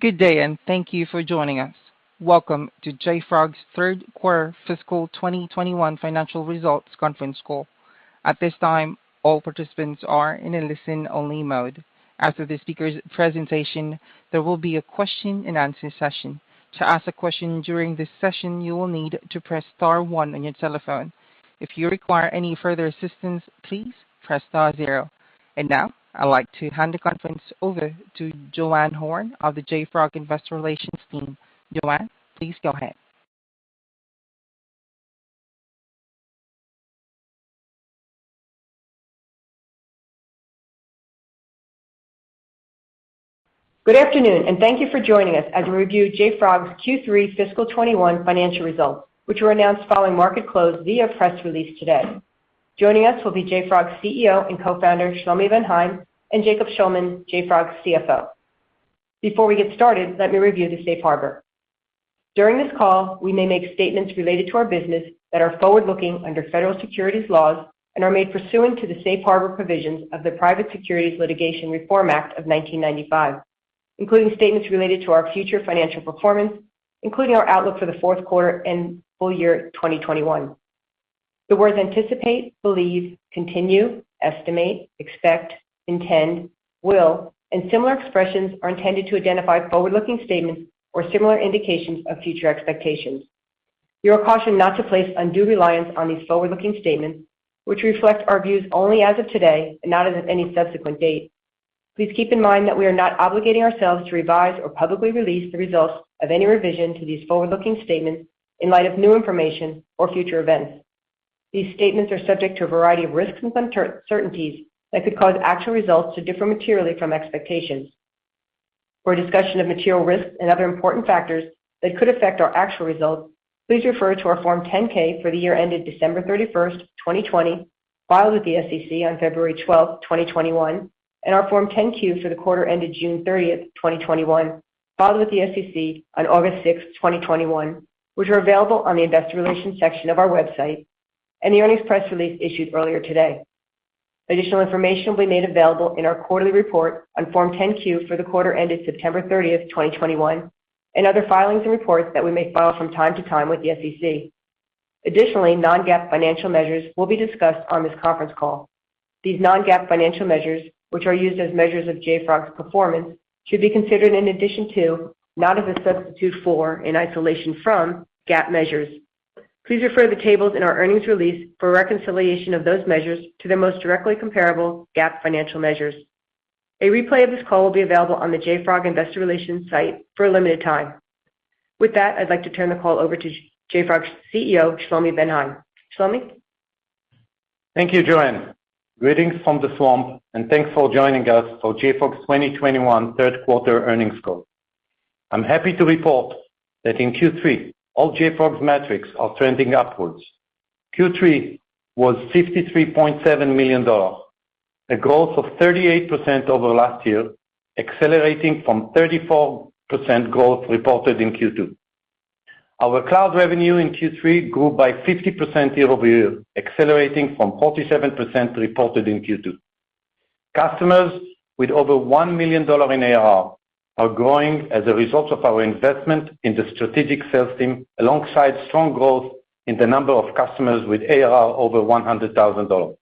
Good day, thank you for joining us. Welcome to JFrog's Third Quarter Fiscal 2021 Financial Results Conference Call. At this time, all participants are in a listen-only mode. After the speaker's presentation, there will be a question-and-answer session. To ask a question during this session, you will need to press star one on your telephone. If you require any further assistance, please press star zero. Now, I'd like to hand the conference over to JoAnn Horne of the JFrog Investor Relations team. JoAnn, please go ahead. Good afternoon, and thank you for joining us as we review JFrog's Q3 fiscal 2021 financial results, which were announced following market close via press release today. Joining us will be JFrog's CEO and Co-Founder, Shlomi Ben Haim, and Jacob Shulman, JFrog's CFO. Before we get started, let me review the Safe Harbor. During this call, we may make statements related to our business that are forward-looking under federal securities laws and are made pursuant to the Safe Harbor provisions of the Private Securities Litigation Reform Act of 1995, including statements related to our future financial performance, including our outlook for the fourth quarter and full year 2021. The words anticipate, believe, continue, estimate, expect, intend, will, and similar expressions are intended to identify forward-looking statements or similar indications of future expectations. You are cautioned not to place undue reliance on these forward-looking statements, which reflect our views only as of today and not as of any subsequent date. Please keep in mind that we are not obligating ourselves to revise or publicly release the results of any revision to these forward-looking statements in light of new information or future events. These statements are subject to a variety of risks and uncertainties that could cause actual results to differ materially from expectations. For a discussion of material risks and other important factors that could affect our actual results, please refer to our Form 10-K for the year ended December 31st, 2020, filed with the SEC on February 12th, 2021, and our Form 10-Q for the quarter ended June 30th, 2021, filed with the SEC on August 6th, 2021, which are available on the investor relations section of our website and the earnings press release issued earlier today. Additional information will be made available in our quarterly report on Form 10-Q for the quarter ended September 30th, 2021, and other filings and reports that we may file from time to time with the SEC. Additionally, non-GAAP financial measures will be discussed on this conference call. These non-GAAP financial measures, which are used as measures of JFrog's performance, should be considered in addition to, not as a substitute for, in isolation from GAAP measures. Please refer to the tables in our earnings release for a reconciliation of those measures to their most directly comparable GAAP financial measures. A replay of this call will be available on the JFrog Investor Relations site for a limited time. With that, I'd like to turn the call over to JFrog's CEO, Shlomi Ben Haim. Shlomi? Thank you, JoAnn. Greetings from the Swamp, and thanks for joining us for JFrog's 2021 third quarter earnings call. I'm happy to report that in Q3, all JFrog's metrics are trending upwards. Q3 was $53.7 million, a growth of 38% over last year, accelerating from 34% growth reported in Q2. Our cloud revenue in Q3 grew by 50% year-over-year, accelerating from 47% reported in Q2. Customers with over $1 million in ARR are growing as a result of our investment in the strategic sales team, alongside strong growth in the number of customers with ARR over $100,000.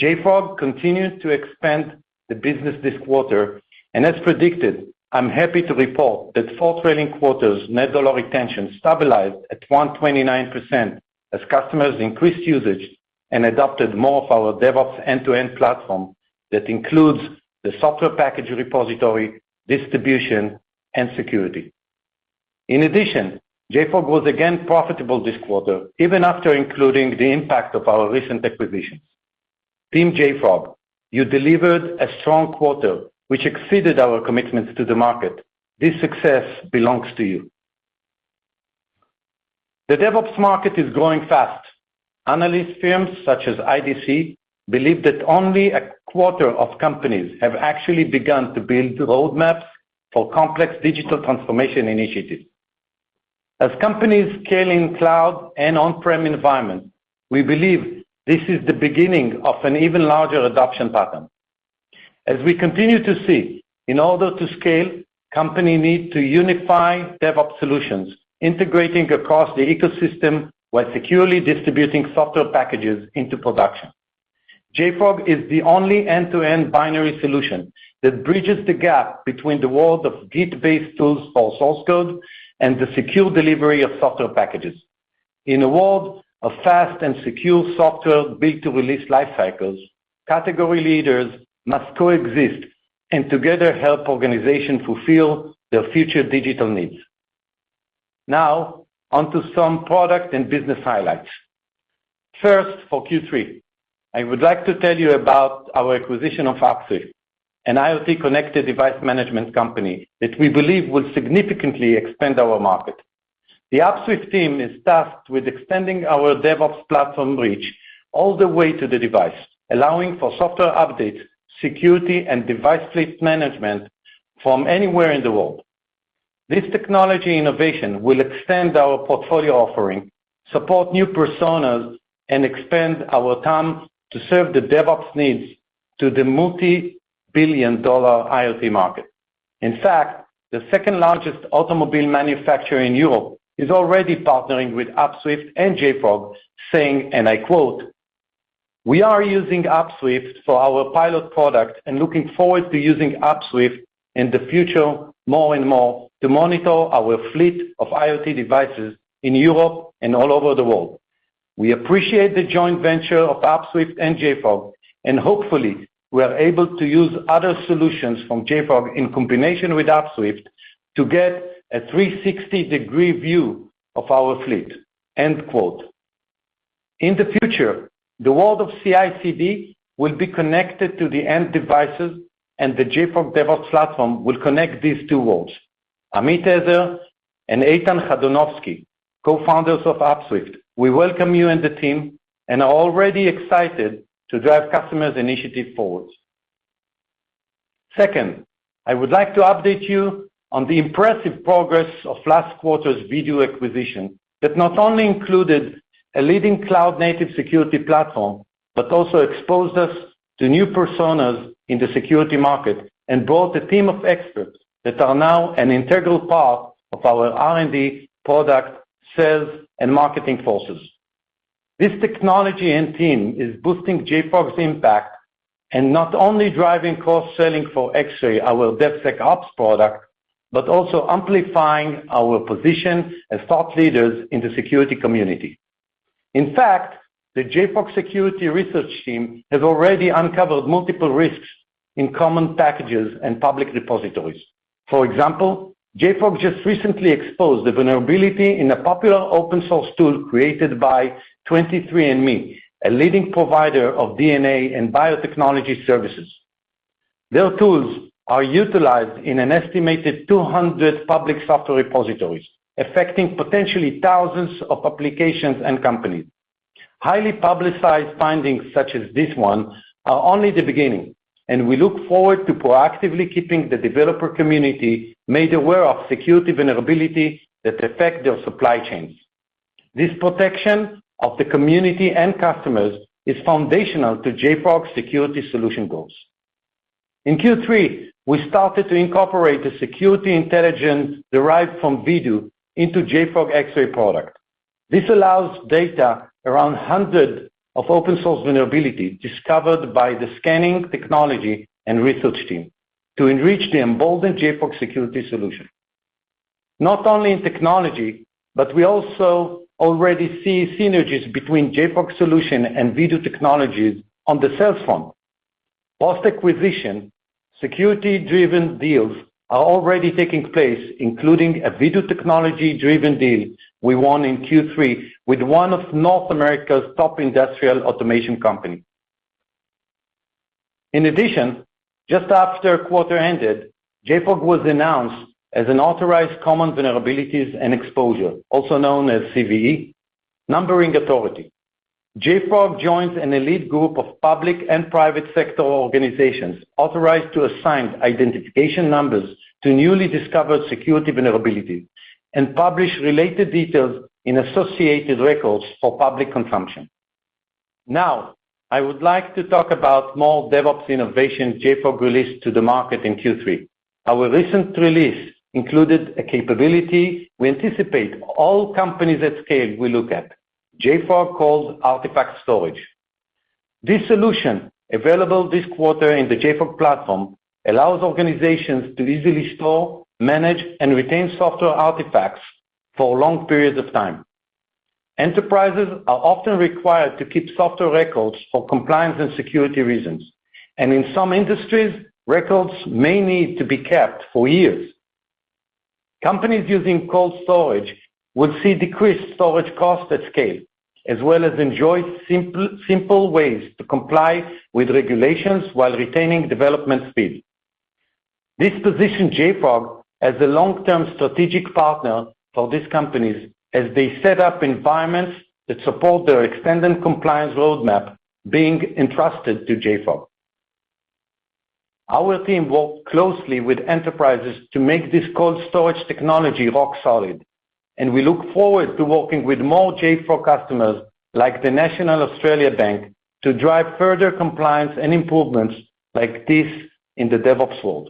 JFrog continued to expand the business this quarter, and as predicted, I'm happy to report that four trailing quarters Net Dollar Retention stabilized at 129% as customers increased usage and adopted more of our DevOps end-to-end platform that includes the software package repository, distribution, and security. In addition, JFrog was again profitable this quarter, even after including the impact of our recent acquisitions. Team JFrog, you delivered a strong quarter, which exceeded our commitments to the market. This success belongs to you. The DevOps market is growing fast. Analyst firms such as IDC believe that only a quarter of companies have actually begun to build roadmaps for complex digital transformation initiatives. As companies scale in cloud and on-prem environments, we believe this is the beginning of an even larger adoption pattern. As we continue to see, in order to scale, companies need to unify DevOps solutions, integrating across the ecosystem while securely distributing software packages into production. JFrog is the only end-to-end binary solution that bridges the gap between the world of Git-based tools for source code and the secure delivery of software packages. In a world of fast and secure software built to release lifecycles, category leaders must coexist and together help organizations fulfill their future digital needs. Now, onto some product and business highlights. First, for Q3, I would like to tell you about our acquisition of Upswift, an IoT connected device management company that we believe will significantly expand our market. The Upswift team is tasked with extending our DevOps platform reach all the way to the device, allowing for software updates, security, and device fleet management from anywhere in the world. This technology innovation will extend our portfolio offering, support new personas, and expand our time to serve the DevOps needs to the multi-billion-dollar IoT market. In fact, the second largest automobile manufacturer in Europe is already partnering with Upswift and JFrog, saying, and I quote, "We are using Upswift for our pilot product and looking forward to using Upswift in the future more and more to monitor our fleet of IoT devices in Europe and all over the world. We appreciate the joint venture of Upswift and JFrog, and hopefully, we are able to use other solutions from JFrog in combination with Upswift to get a 360-degree view of our fleet." End quote. In the future, the world of CI/CD will be connected to the end devices, and the JFrog DevOps platform will connect these two worlds. Amit Ezer and Eitan Chudnovsky, co-founders of Upswift, we welcome you and the team and are already excited to drive customers' initiative forward. Second, I would like to update you on the impressive progress of last quarter's Vdoo acquisition that not only included a leading cloud-native security platform, but also exposed us to new personas in the security market and brought a team of experts that are now an integral part of our R&D product sales and marketing forces. This technology and team is boosting JFrog's impact and not only driving cross-selling for Xray, our DevSecOps product, but also amplifying our position as thought leaders in the security community. In fact, the JFrog security research team has already uncovered multiple risks in common packages and public repositories. For example, JFrog just recently exposed a vulnerability in a popular open source tool created by 23andMe, a leading provider of DNA and biotechnology services. Their tools are utilized in an estimated 200 public software repositories, affecting potentially thousands of applications and companies. Highly publicized findings such as this one are only the beginning, and we look forward to proactively keeping the developer community made aware of security vulnerability that affect their supply chains. This protection of the community and customers is foundational to JFrog Security Solution goals. In Q3, we started to incorporate the security intelligence derived from Vdoo into JFrog Xray product. This allows data around 100 of open source vulnerability discovered by the scanning technology and research team to enrich and embolden the JFrog Security Solution. Not only in technology, but we also already see synergies between JFrog solution and Vdoo technologies on the sales front. Post-acquisition, security-driven deals are already taking place, including a Vdoo technology-driven deal we won in Q3 with one of North America's top industrial automation company. In addition, just after the quarter ended, JFrog was announced as an authorized common vulnerabilities and exposures, also known as CVE, numbering authority. JFrog joins an elite group of public and private sector organizations authorized to assign identification numbers to newly discovered security vulnerabilities and publish related details in associated records for public consumption. Now, I would like to talk about more DevOps innovation JFrog released to the market in Q3. Our recent release included a capability we anticipate all companies at scale will look at. JFrog Cold Artifact Storage. This solution, available this quarter in the JFrog platform, allows organizations to easily store, manage, and retain software artifacts for long periods of time. Enterprises are often required to keep software records for compliance and security reasons. In some industries, records may need to be kept for years. Companies using cold storage will see decreased storage cost at scale, as well as enjoy simple ways to comply with regulations while retaining development speed. This positions JFrog as a long-term strategic partner for these companies as they set up environments that support their extended compliance roadmap being entrusted to JFrog. Our team worked closely with enterprises to make this cold storage technology rock solid, and we look forward to working with more JFrog customers, like the National Australia Bank, to drive further compliance and improvements like this in the DevOps world.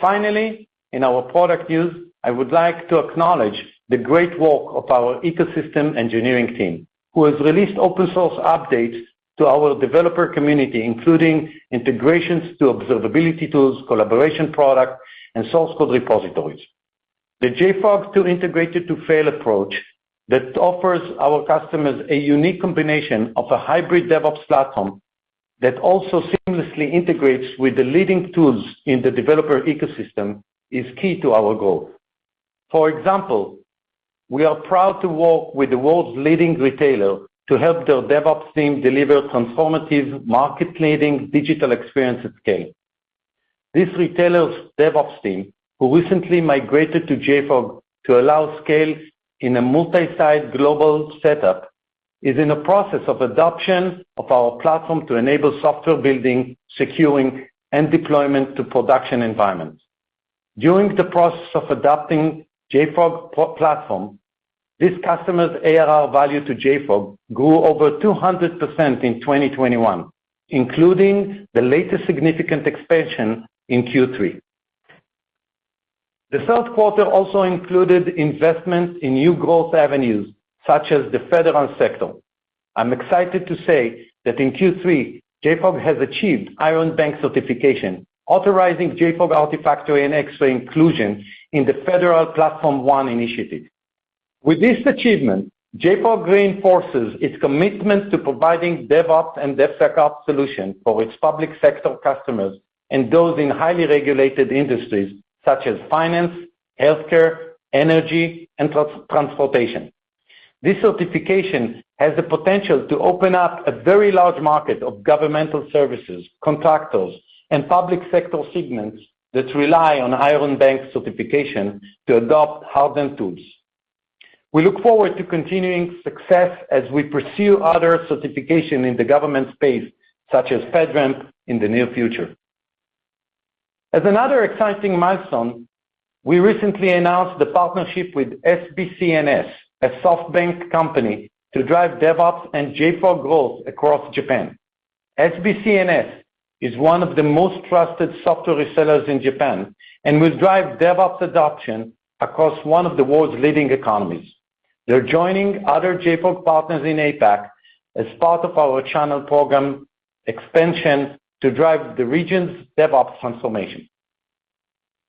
Finally, in our product news, I would like to acknowledge the great work of our ecosystem engineering team, who has released open source updates to our developer community, including integrations to observability tools, collaboration product, and source code repositories. The JFrog's tool-integrated fail-fast approach that offers our customers a unique combination of a hybrid DevOps platform that also seamlessly integrates with the leading tools in the developer ecosystem is key to our growth. For example, we are proud to work with the world's leading retailer to help their DevOps team deliver transformative, market-leading digital experience at scale. This retailer's DevOps team, who recently migrated to JFrog to allow scale in a multi-site global setup is in the process of adoption of our platform to enable software building, securing, and deployment to production environments. During the process of adopting JFrog platform, this customer's ARR value to JFrog grew over 200% in 2021, including the latest significant expansion in Q3. The third quarter also included investments in new growth avenues, such as the federal sector. I'm excited to say that in Q3, JFrog has achieved Iron Bank certification, authorizing JFrog Artifactory and Xray inclusion in the federal Platform One initiative. With this achievement, JFrog reinforces its commitment to providing DevOps and DevSecOps solutions for its public sector customers and those in highly regulated industries such as finance, healthcare, energy, and transportation. This certification has the potential to open up a very large market of governmental services, contractors, and public sector segments that rely on Iron Bank certification to adopt hardened tools. We look forward to continuing success as we pursue other certification in the government space, such as FedRAMP in the near future. As another exciting milestone, we recently announced the partnership with SB C&S, a SoftBank company, to drive DevOps and JFrog growth across Japan. SB C&S is one of the most trusted software sellers in Japan and will drive DevOps adoption across one of the world's leading economies. They're joining other JFrog partners in APAC as part of our channel program expansion to drive the region's DevOps transformation.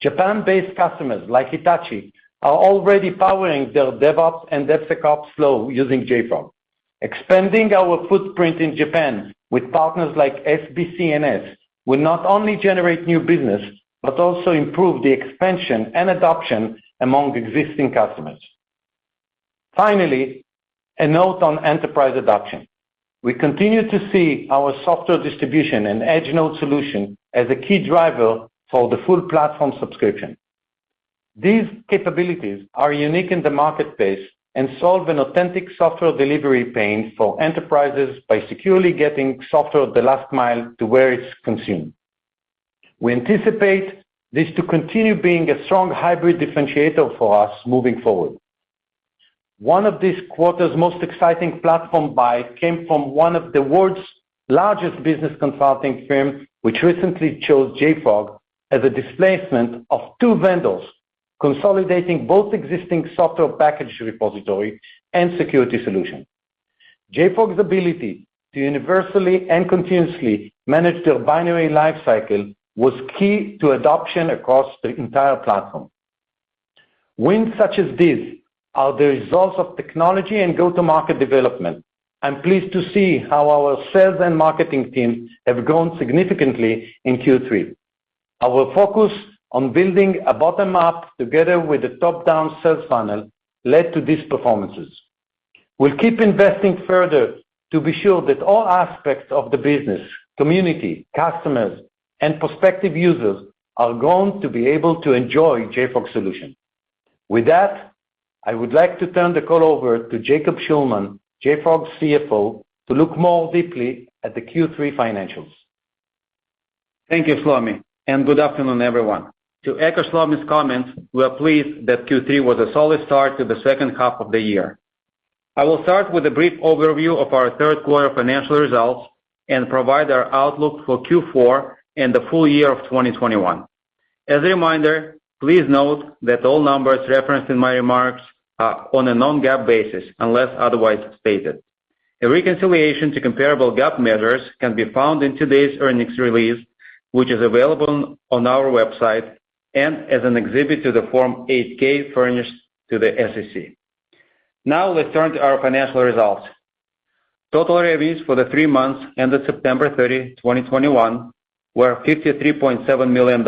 Japan-based customers like Hitachi are already powering their DevOps and DevSecOps flow using JFrog. Expanding our footprint in Japan with partners like SB C&S will not only generate new business but also improve the expansion and adoption among existing customers. Finally, a note on enterprise adoption. We continue to see our software distribution and edge node solution as a key driver for the full platform subscription. These capabilities are unique in the marketplace and solve an authentic software delivery pain for enterprises by securely getting software the last mile to where it's consumed. We anticipate this to continue being a strong hybrid differentiator for us moving forward. One of this quarter's most exciting platform win came from one of the world's largest business consulting firms, which recently chose JFrog as a displacement of two vendors, consolidating both existing software package repository and security solution. JFrog's ability to universally and continuously manage their binary life cycle was key to adoption across the entire platform. Wins such as these are the results of technology and go-to-market development. I'm pleased to see how our sales and marketing teams have grown significantly in Q3. Our focus on building a bottom-up together with a top-down sales funnel led to these performances. We'll keep investing further to be sure that all aspects of the business, community, customers, and prospective users are going to be able to enjoy JFrog solution. With that, I would like to turn the call over to Jacob Shulman, JFrog's CFO, to look more deeply at the Q3 financials. Thank you, Shlomi, and good afternoon, everyone. To echo Shlomi's comments, we are pleased that Q3 was a solid start to the second half of the year. I will start with a brief overview of our third quarter financial results and provide our outlook for Q4 and the full year of 2021. As a reminder, please note that all numbers referenced in my remarks are on a non-GAAP basis, unless otherwise stated. A reconciliation to comparable GAAP measures can be found in today's earnings release, which is available on our website and as an exhibit to the Form 8-K furnished to the SEC. Now let's turn to our financial results. Total revenues for the three months ended September 30, 2021 were $53.7 million,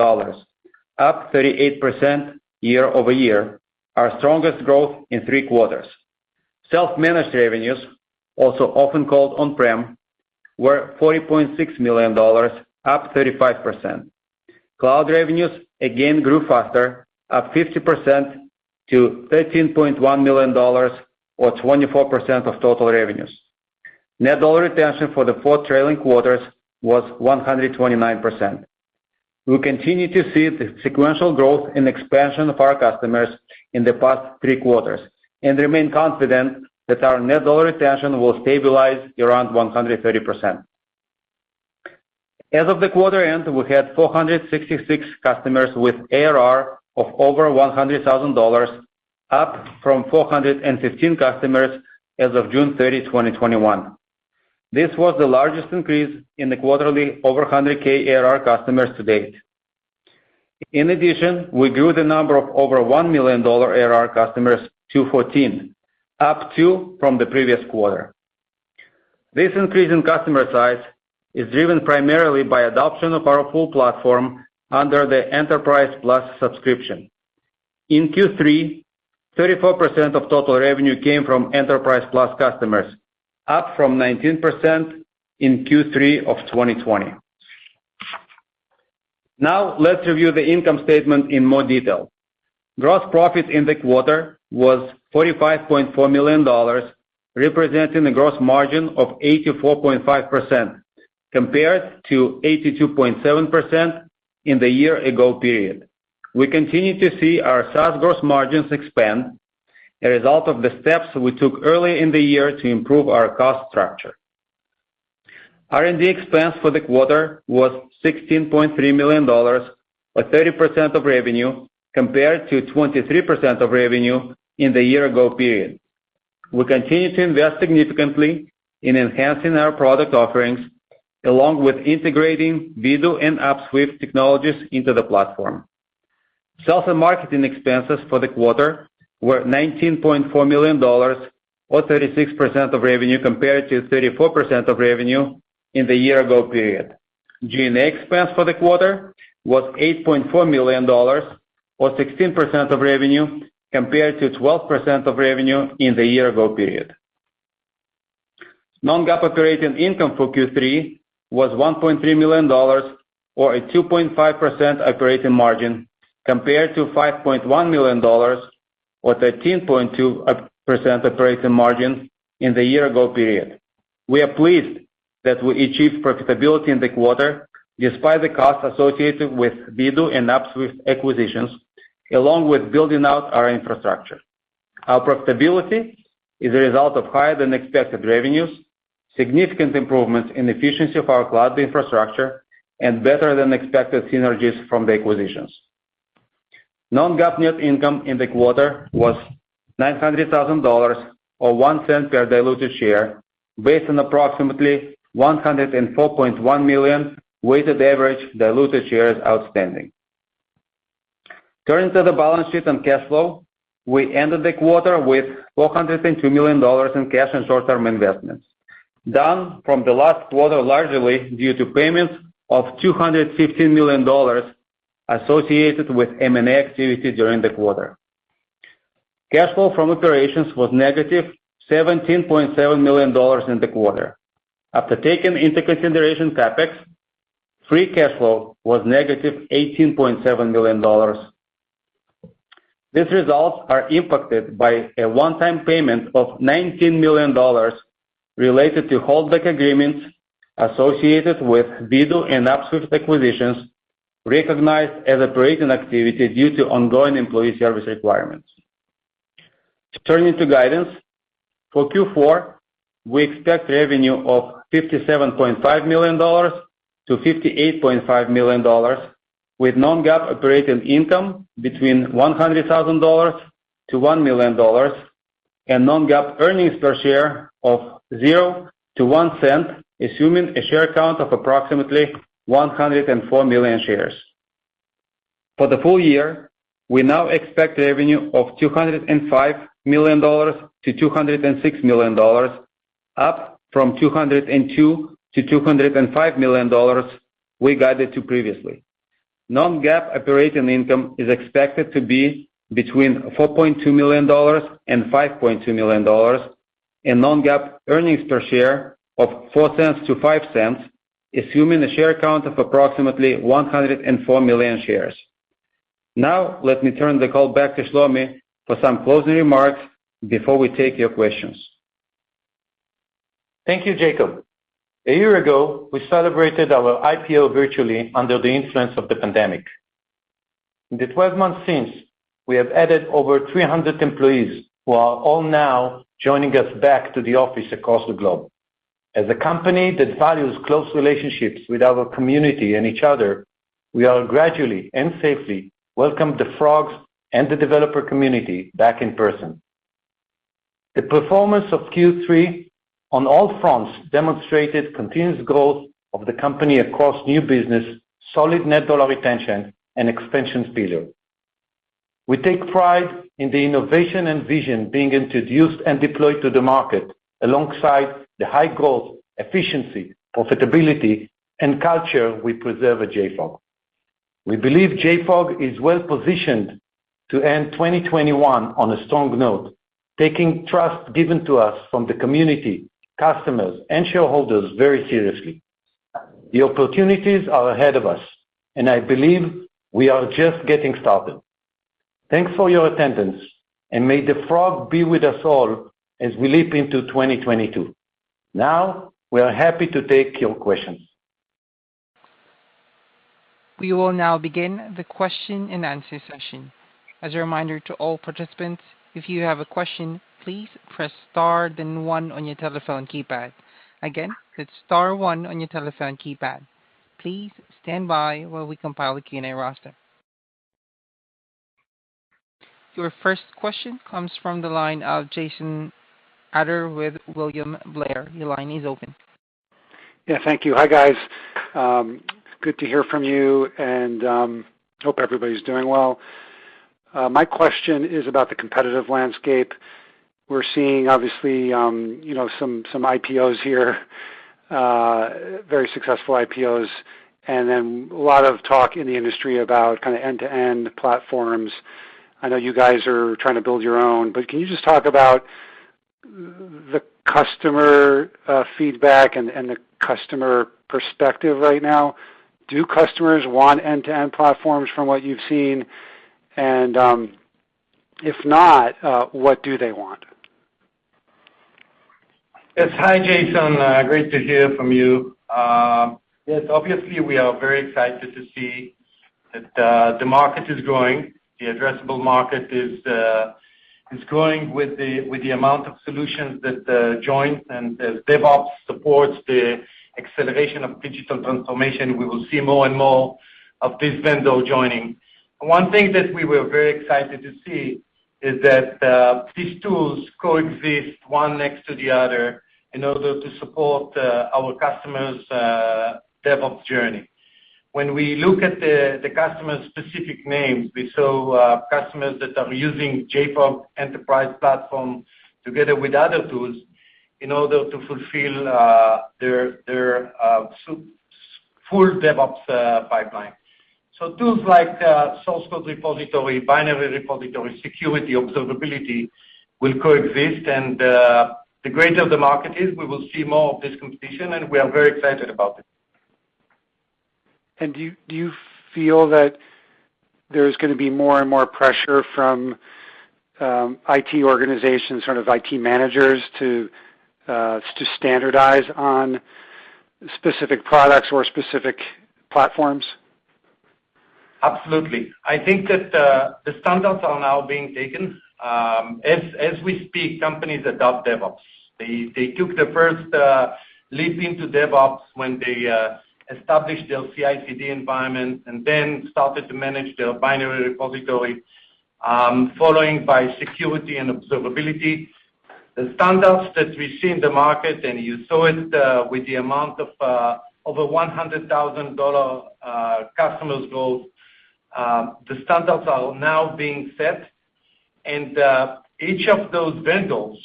up 38% year-over-year, our strongest growth in three quarters. Self-managed revenues, also often called on-prem, were $40.6 million, up 35%. Cloud revenues again grew faster, up 50% to $13.1 million or 24% of total revenues. Net dollar retention for the four trailing quarters was 129%. We continue to see the sequential growth and expansion of our customers in the past three quarters and remain confident that our net dollar retention will stabilize around 130%. As of the quarter end, we had 466 customers with ARR of over $100,000, up from 415 customers as of June 30, 2021. This was the largest increase in the quarterly over 100,000 ARR customers to date. In addition, we grew the number of over $1 million ARR customers to 14, up two from the previous quarter. This increase in customer size is driven primarily by adoption of our full platform under the Enterprise+ subscription. In Q3, 34% of total revenue came from Enterprise+ customers, up from 19% in Q3 of 2020. Now let's review the income statement in more detail. Gross profit in the quarter was $45.4 million, representing a gross margin of 84.5% compared to 82.7% in the year ago period. We continue to see our SaaS gross margins expand, a result of the steps we took early in the year to improve our cost structure. R&D expense for the quarter was $16.3 million, or 30% of revenue, compared to 23% of revenue in the year ago period. We continue to invest significantly in enhancing our product offerings, along with integrating Vdoo and Upswift technologies into the platform. Sales and marketing expenses for the quarter were $19.4 million or 36% of revenue compared to 34% of revenue in the year ago period. G&A expense for the quarter was $8.4 million or 16% of revenue compared to 12% of revenue in the year ago period. non-GAAP operating income for Q3 was $1.3 million or a 2.5% operating margin compared to $5.1 million or 13.2% operating margin in the year ago period. We are pleased that we achieved profitability in the quarter despite the costs associated with Vdoo and Upswift acquisitions, along with building out our infrastructure. Our profitability is a result of higher than expected revenues, significant improvements in efficiency of our cloud infrastructure, and better than expected synergies from the acquisitions. non-GAAP net income in the quarter was $900,000 or $0.01 per diluted share based on approximately 104.1 million weighted average diluted shares outstanding. Turning to the balance sheet and cash flow. We ended the quarter with $402 million in cash and short-term investments, down from the last quarter, largely due to payments of $250 million associated with M&A activity during the quarter. Cash flow from operations was -$17.7 million in the quarter. After taking into consideration CapEx, free cash flow was -$18.7 million. These results are impacted by a one-time payment of $19 million related to holdback agreements associated with Vdoo and Upswift acquisitions recognized as operating activity due to ongoing employee service requirements. Turning to guidance. For Q4, we expect revenue of $57.5 million-$58.5 million, with non-GAAP operating income between $100,000-$1 million and non-GAAP earnings per share of $0-$0.01, assuming a share count of approximately 104 million shares. For the full year, we now expect revenue of $205 million-$206 million, up from $202 million-$205 million we guided to previously. non-GAAP operating income is expected to be between $4.2 million and $5.2 million, and non-GAAP earnings per share of $0.04-$0.05, assuming a share count of approximately 104 million shares. Now let me turn the call back to Shlomi for some closing remarks before we take your questions. Thank you, Jacob. A year ago, we celebrated our IPO virtually under the influence of the pandemic. In the 12 months since, we have added over 300 employees who are all now joining us back to the office across the globe. As a company that values close relationships with our community and each other, we are gradually and safely welcoming the Frogs and the developer community back in person. The performance of Q3 on all fronts demonstrated continuous growth of the company across new business, solid net dollar retention and expansion speed. We take pride in the innovation and vision being introduced and deployed to the market alongside the high growth, efficiency, profitability, and culture we preserve at JFrog. We believe JFrog is well positioned to end 2021 on a strong note, taking the trust given to us from the community, customers, and shareholders very seriously. The opportunities are ahead of us, and I believe we are just getting started. Thanks for your attendance, and may the Frog be with us all as we leap into 2022. Now, we are happy to take your questions. We will now begin the question-and-answer session. As a reminder to all participants, if you have a question, please press star then one on your telephone keypad. Again, it's star one on your telephone keypad. Please stand by while we compile the Q&A roster. Your first question comes from the line of Jason Ader with William Blair. Your line is open. Yeah, thank you. Hi, guys. Good to hear from you and hope everybody's doing well. My question is about the competitive landscape. We're seeing obviously you know some IPOs here very successful IPOs and then a lot of talk in the industry about kinda end-to-end platforms. I know you guys are trying to build your own, but can you just talk about the customer feedback and the customer perspective right now. Do customers want end-to-end platforms from what you've seen? If not, what do they want? Yes. Hi, Jason. Great to hear from you. Yes, obviously, we are very excited to see that the market is growing. The addressable market is growing with the amount of solutions that join and as DevOps supports the acceleration of digital transformation, we will see more and more of this vendor joining. One thing that we were very excited to see is that these tools coexist one next to the other in order to support our customers' DevOps journey. When we look at the customers' specific names, we saw customers that are using JFrog Enterprise platform together with other tools in order to fulfill their full DevOps pipeline. Tools like source code repository, binary repository, security, observability will coexist. The greater the market is, we will see more of this competition, and we are very excited about it. Do you feel that there's gonna be more and more pressure from IT organizations, sort of IT managers to standardize on specific products or specific platforms? Absolutely. I think that the standards are now being taken. As we speak, companies adopt DevOps. They took the first leap into DevOps when they established their CI/CD environment, and then started to manage their binary repository, followed by security and observability. The standards that we see in the market, and you saw it with the amount of over $100,000 customers growth, the standards are now being set. Each of those vendors,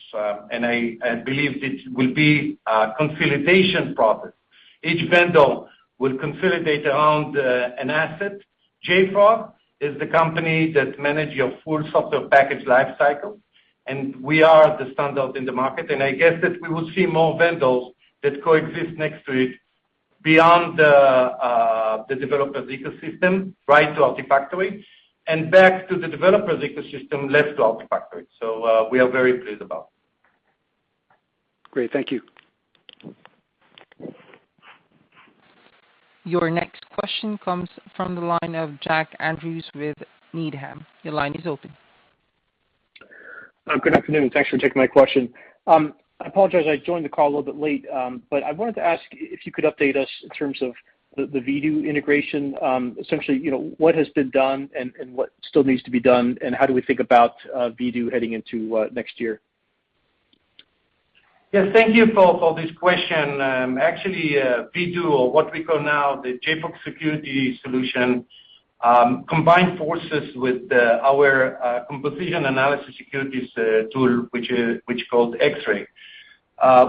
and I believe it will be a consolidation process, each vendor will consolidate around an asset. JFrog is the company that manage your full software package life cycle, and we are the standard in the market. I guess that we will see more vendors that coexist next to it beyond, the developer's ecosystem, right to Artifactory, and back to the developer's ecosystem, left to Artifactory. We are very pleased about it. Great. Thank you. Your next question comes from the line of Jack Andrews with Needham. Your line is open. Good afternoon. Thanks for taking my question. I apologize I joined the call a little bit late. I wanted to ask if you could update us in terms of the Vdoo integration, essentially, you know, what has been done and what still needs to be done, and how do we think about Vdoo heading into next year? Yes, thank you for this question. Actually, Vdoo or what we call now the JFrog Security Solution combined forces with our composition analysis security tool, which called Xray.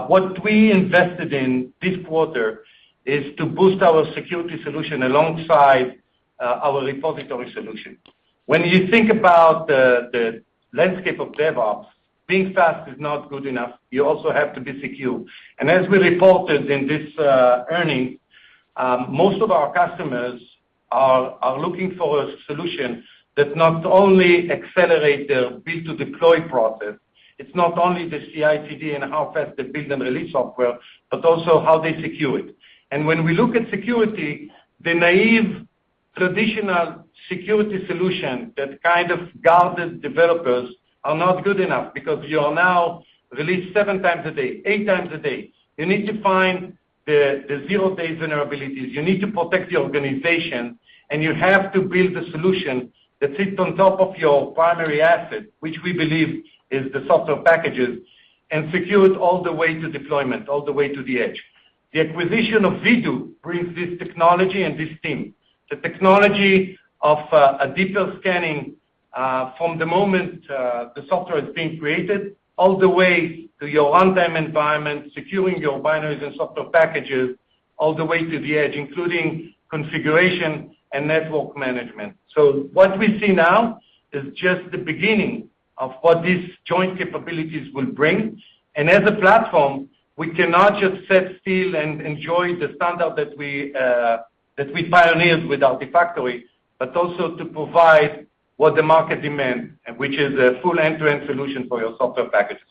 What we invested in this quarter is to boost our security solution alongside our repository solution. When you think about the landscape of DevOps, being fast is not good enough, you also have to be secure. As we reported in this earning, most of our customers are looking for a solution that not only accelerate their build to deploy process, it's not only the CI/CD and how fast they build and release software, but also how they secure it. When we look at security, the naive traditional security solution that kind of guards developers are not good enough because you are now releasing seven times a day, eight times a day. You need to find the zero-day vulnerabilities. You need to protect the organization, and you have to build a solution that sits on top of your primary asset, which we believe is the software packages, and secure it all the way to deployment, all the way to the edge. The acquisition of Vdoo brings this technology and this team. The technology of a deeper scanning from the moment the software is being created, all the way to your runtime environment, securing your binaries and software packages all the way to the edge, including configuration and network management. What we see now is just the beginning of what these joint capabilities will bring. As a platform, we cannot just sit still and enjoy the standard that we that we pioneered with Artifactory, but also to provide what the market demand, which is a full end-to-end solution for your software packages.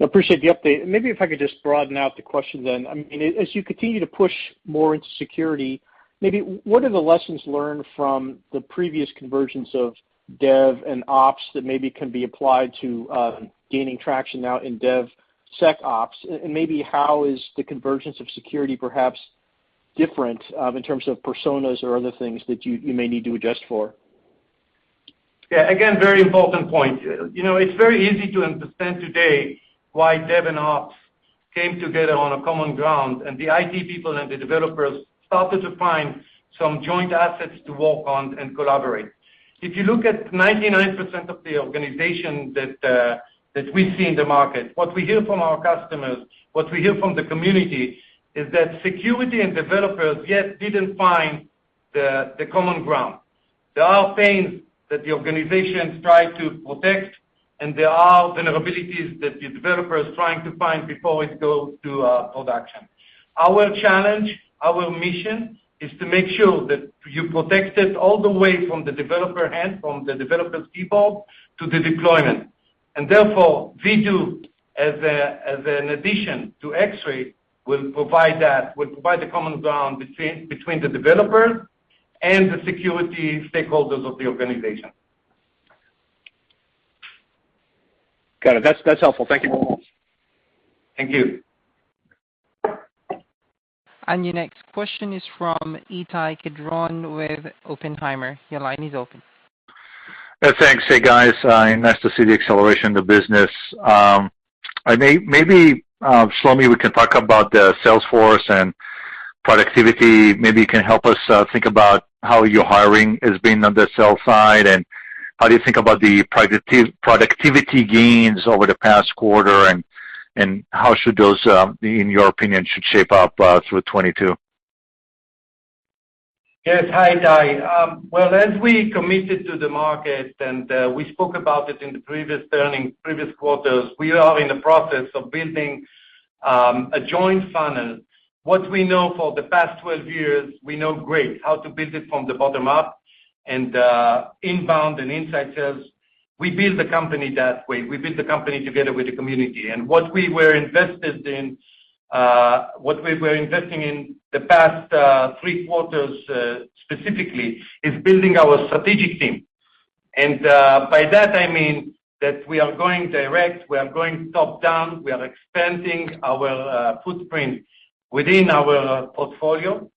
I appreciate the update. Maybe if I could just broaden out the question then. I mean, as you continue to push more into security, maybe what are the lessons learned from the previous conversions of Dev and Ops that maybe can be applied to gaining traction now in DevSecOps? Maybe how is the convergence of security perhaps different in terms of personas or other things that you may need to adjust for? Yeah. Again, very important point. You know, it's very easy to understand today why dev and ops came together on a common ground, and the IT people and the developers started to find some joint assets to work on and collaborate. If you look at 99% of the organizations that we see in the market, what we hear from our customers, what we hear from the community is that security and developers yet didn't find the common ground. There are things that the organizations try to protect, and there are vulnerabilities that the developer is trying to find before it goes to production. Our challenge, our mission, is to make sure that you protected all the way from the developer end, from the developer's people to the deployment. Therefore, Vdoo as an addition to Xray, will provide the common ground between the developer and the security stakeholders of the organization. Got it. That's helpful. Thank you. Thank you. Your next question is from Ittai Kidron with Oppenheimer. Your line is open. Thanks. Hey, guys. Nice to see the acceleration of the business. Maybe, Shlomi, we can talk about the sales force and productivity. Maybe you can help us think about how your hiring is going on the sales side and how do you think about the productivity gains over the past quarter, and how should those in your opinion should shape up through 2022? Yes. Hi, Ittai. Well, as we committed to the market, we spoke about it in the previous earnings, previous quarters. We are in the process of building a joint funnel. What we know for the past 12 years, we know how to build it from the bottom up and inbound and inside sales. We build the company that way. We build the company together with the community. What we were investing in the past three quarters specifically is building our strategic team. By that I mean that we are going direct, we are going top-down, we are expanding our footprint within our portfolio.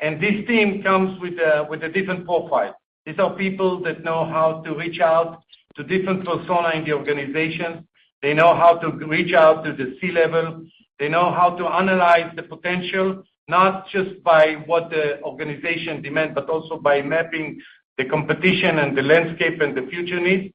This team comes with a different profile. These are people that know how to reach out to different personas in the organization. They know how to reach out to the C-level. They know how to analyze the potential, not just by what the organization demand, but also by mapping the competition and the landscape and the future needs.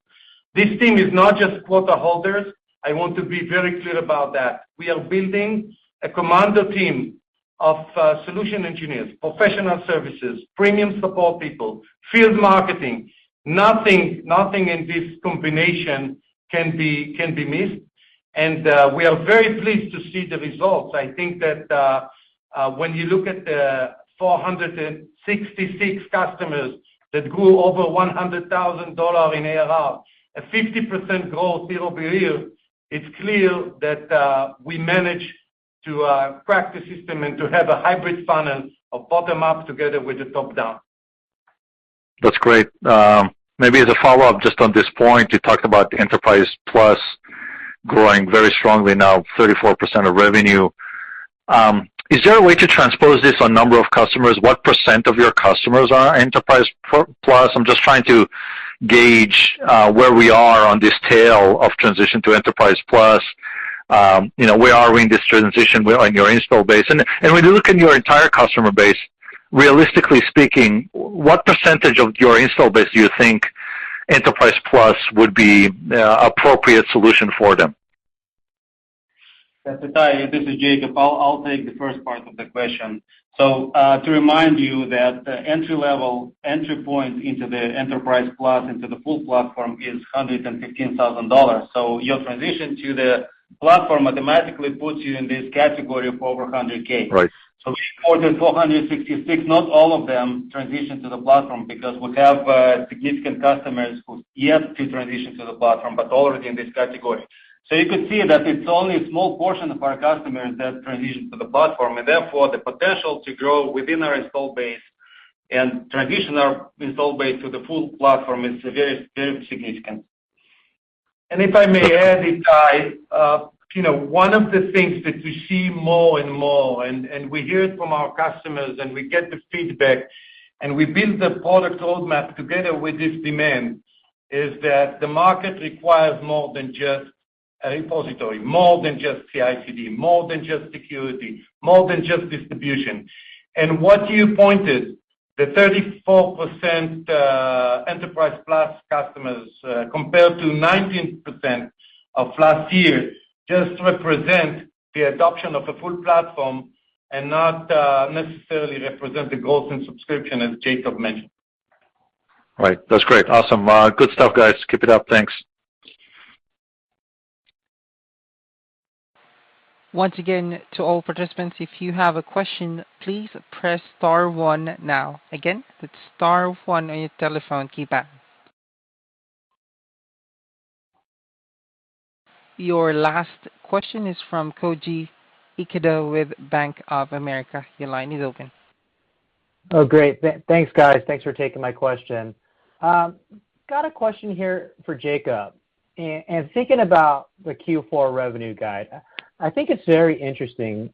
This team is not just quota holders, I want to be very clear about that. We are building a complementary team of solution engineers, professional services, premium support people, field marketing. Nothing in this combination can be missed. We are very pleased to see the results. I think that when you look at the 466 customers that grew over $100,000 in ARR, a 50% growth year-over-year, it's clear that we managed to crack the system and to have a hybrid funnel of bottom-up together with the top-down. That's great. Maybe as a follow-up, just on this point, you talked about Enterprise+ growing very strongly now 34% of revenue. Is there a way to transpose this on number of customers? What percent of your customers are Enterprise+? I'm just trying to gauge where we are on this tail of transition to Enterprise+. You know, where are we in this transition on your installed base? When you look in your entire customer base, realistically speaking, what percentage of your installed base do you think Enterprise+ would be appropriate solution for them? Yes. Ittai, this is Jacob. I'll take the first part of the question. To remind you that the entry level, entry point into the Enterprise+, into the full platform is $115,000. Your transition to the platform automatically puts you in this category of over $100,000. Right. Of course, in 466, not all of them transition to the platform because we have significant customers who's yet to transition to the platform, but already in this category. You could see that it's only a small portion of our customers that transition to the platform, and therefore, the potential to grow within our install base and transition our install base to the full platform is very, very significant. If I may add, Ittai, you know, one of the things that we see more and more, and we hear it from our customers, and we get the feedback, and we build the product roadmap together with this demand, is that the market requires more than just a repository, more than just CI/CD, more than just security, more than just distribution. What you pointed, the 34%, Enterprise+ customers, compared to 19% of last year, just represent the adoption of a full platform and not necessarily represent the growth in subscription, as Jacob mentioned. Right. That's great. Awesome. Good stuff, guys. Keep it up. Thanks. Once again, to all participants, if you have a question, please press star one now. Again, that's star one on your telephone keypad. Your last question is from Koji Ikeda with Bank of America. Your line is open. Oh, great. Thanks, guys. Thanks for taking my question. Got a question here for Jacob. Thinking about the Q4 revenue guide, I think it's very interesting,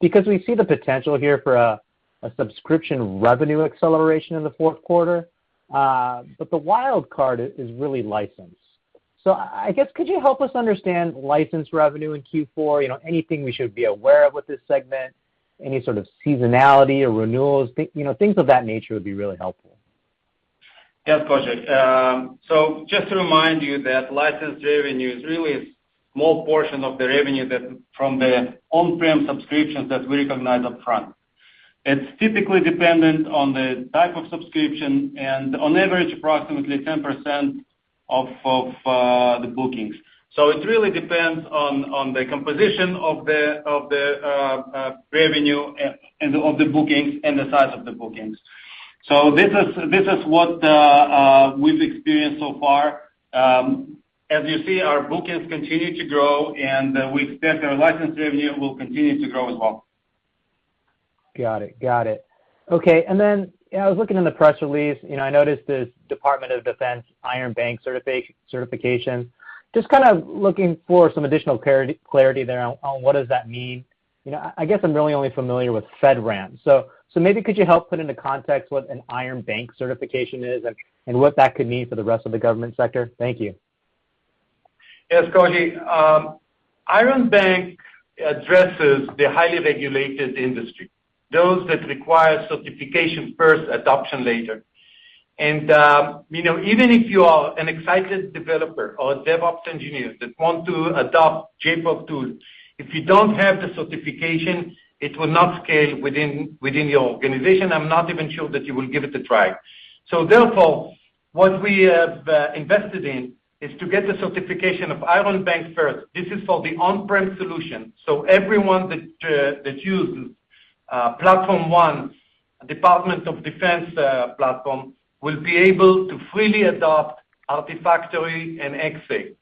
because we see the potential here for a subscription revenue acceleration in the fourth quarter, but the wild card is really license. I guess could you help us understand license revenue in Q4? You know, anything we should be aware of with this segment? Any sort of seasonality or renewals? You know, things of that nature would be really helpful. Yes, Koji. Just to remind you that license revenue is really a small portion of the revenue that from the on-prem subscriptions that we recognize upfront. It's typically dependent on the type of subscription and on average, approximately 10% of the bookings. It really depends on the composition of the revenue and of the bookings and the size of the bookings. This is what we've experienced so far. As you see, our bookings continue to grow, and we expect our license revenue will continue to grow as well. Got it. Okay. I was looking in the press release, you know, I noticed this Department of Defense Iron Bank certification. Just kind of looking for some additional clarity there on what does that mean. You know, I guess I'm really only familiar with FedRAMP. Maybe could you help put into context what an Iron Bank certification is and what that could mean for the rest of the government sector? Thank you. Yes, Koji. Iron Bank addresses the highly regulated industry, those that require certification first, adoption later. You know, even if you are an excited developer or a DevOps engineer that want to adopt JFrog tools, if you don't have the certification, it will not scale within your organization. I'm not even sure that you will give it a try. Therefore, what we have invested in is to get the certification of Iron Bank first. This is for the on-prem solution, so everyone that uses Platform One, Department of Defense platform, will be able to freely adopt Artifactory and Xray.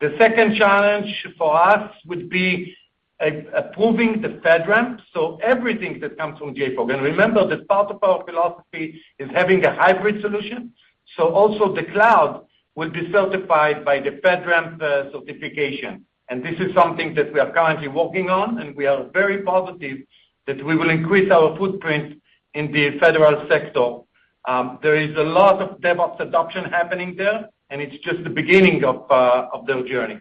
The second challenge for us would be approving the FedRAMP, so everything that comes from JFrog. Remember that part of our philosophy is having a hybrid solution. Also the cloud will be certified by the FedRAMP certification. This is something that we are currently working on, and we are very positive that we will increase our footprint in the federal sector. There is a lot of DevOps adoption happening there, and it's just the beginning of their journey.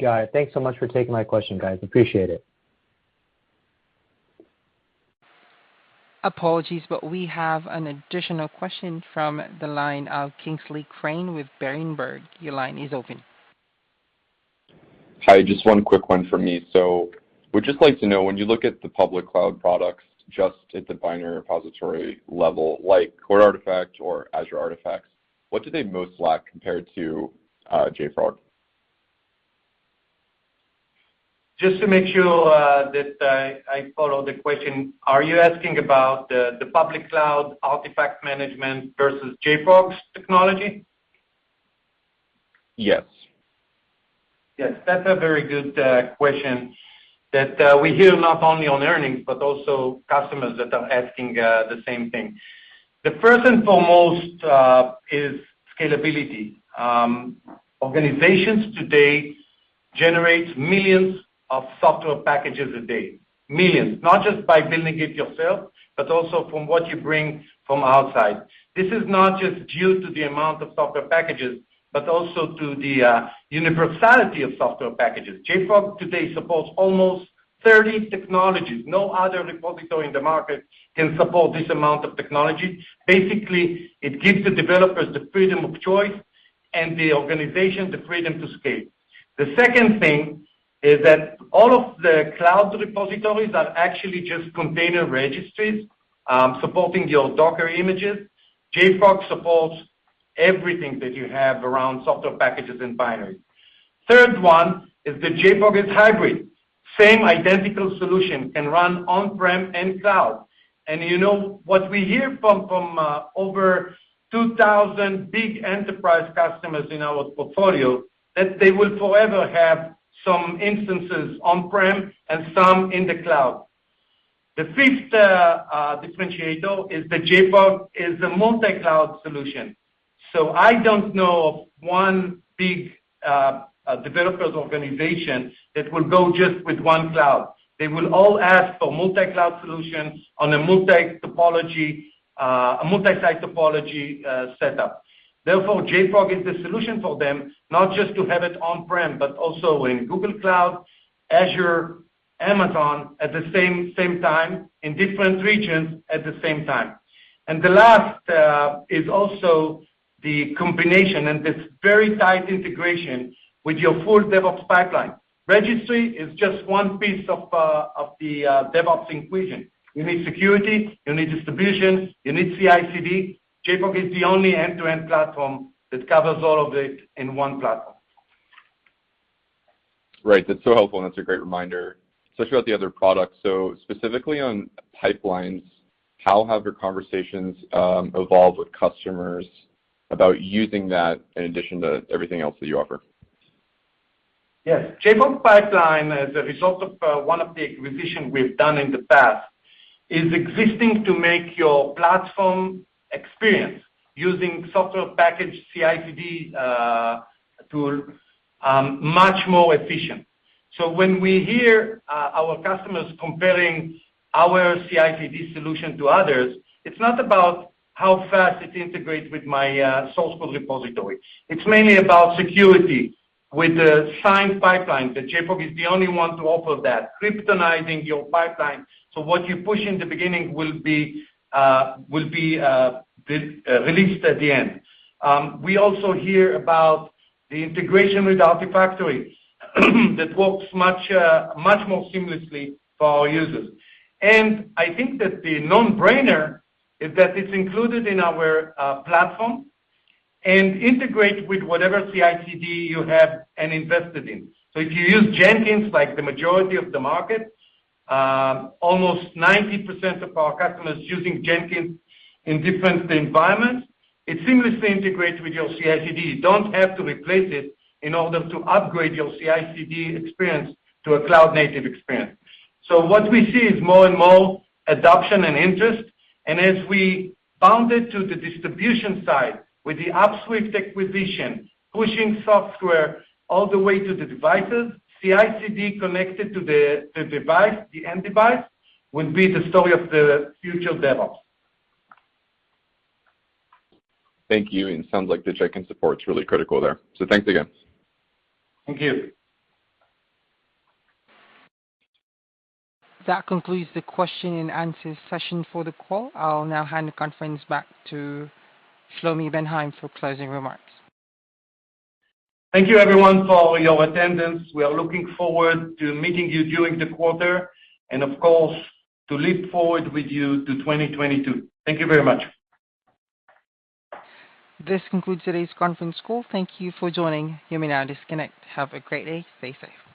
Got it. Thanks so much for taking my question, guys. Appreciate it. Apologies, but we have an additional question from the line of Kingsley Crane with Berenberg. Your line is open. Hi. Just one quick one for me. Would just like to know, when you look at the public cloud products just at the binary repository level, like CodeArtifact or Azure Artifacts, what do they most lack compared to JFrog? Just to make sure that I follow the question, are you asking about the public cloud artifact management versus JFrog's technology? Yes. Yes. That's a very good question that we hear not only on earnings, but also customers that are asking the same thing. The first and foremost is scalability. Organizations today generate millions of software packages a day. Millions. Not just by building it yourself, but also from what you bring from outside. This is not just due to the amount of software packages, but also to the universality of software packages. JFrog today supports almost 30 technologies. No other repository in the market can support this amount of technology. Basically, it gives the developers the freedom of choice and the organization the freedom to scale. The second thing is that all of the cloud repositories are actually just container registries supporting your Docker images. JFrog supports everything that you have around software packages and binaries. Third one is that JFrog is hybrid. Same identical solution can run on-prem and cloud. You know, what we hear from over 2,000 big Enterprise customers in our portfolio, that they will forever have some instances on-prem and some in the cloud. The fifth differentiator is that JFrog is a multi-cloud solution. I don't know of one big developers' organization that will go just with one cloud. They will all ask for multi-cloud solutions on a multi-topology, a multi-site topology setup. Therefore, JFrog is the solution for them not just to have it on-prem, but also in Google Cloud, Azure, Amazon, at the same time, in different regions at the same time. The last is also the combination and this very tight integration with your full DevOps pipeline. Registry is just one piece of the DevOps equation. You need security, you need distribution, you need CI/CD. JFrog is the only end-to-end platform that covers all of it in one platform. Right. That's so helpful, and that's a great reminder, especially about the other products. Specifically on pipelines, how have your conversations evolved with customers about using that in addition to everything else that you offer? Yes. JFrog Pipelines, as a result of one of the acquisitions we've done in the past, is existing to make your platform experience using software package CI/CD tool much more efficient. When we hear our customers comparing our CI/CD solution to others, it's not about how fast it integrates with my source code repository. It's mainly about security with the signed pipeline, that JFrog is the only one to offer that, cryptonizing your pipeline, so what you push in the beginning will be re-released at the end. We also hear about the integration with Artifactory that works much more seamlessly for our users. I think that the no-brainer is that it's included in our platform and integrate with whatever CI/CD you have and invested in. If you use Jenkins, like the majority of the market, almost 90% of our customers using Jenkins in different environments, it seamlessly integrates with your CI/CD. You don't have to replace it in order to upgrade your CI/CD experience to a cloud native experience. What we see is more and more adoption and interest, and as we bound it to the distribution side with the Upswift acquisition, pushing software all the way to the devices, CI/CD connected to the device, the end device, will be the story of the future DevOps. Thank you. Sounds like the Jenkins support's really critical there. Thanks again. Thank you. That concludes the question-and-answer session for the call. I'll now hand the conference back to Shlomi Ben Haim for closing remarks. Thank you everyone for your attendance. We are looking forward to meeting you during the quarter, and of course, to leap forward with you to 2022. Thank you very much. This concludes today's conference call. Thank you for joining. You may now disconnect. Have a great day. Stay safe.